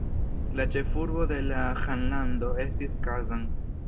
La ĉefurbo de la ĥanlando estis Kazan.